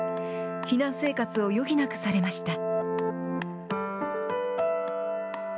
避難生活を余儀なくされました。